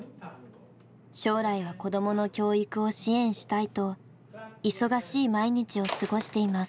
将来は子供の教育を支援したいと忙しい毎日を過ごしています。